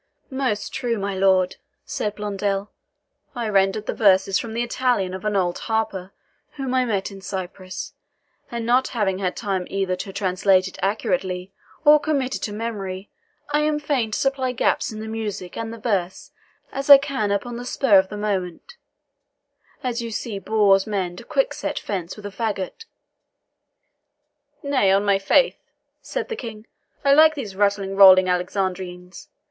"Most true, my lord," said Blondel. "I rendered the verses from the Italian of an old harper whom I met in Cyprus, and not having had time either to translate it accurately or commit it to memory, I am fain to supply gaps in the music and the verse as I can upon the spur of the moment, as you see boors mend a quickset fence with a fagot." "Nay, on my faith," said the King, "I like these rattling, rolling Alexandrines.